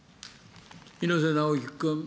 猪瀬直樹君。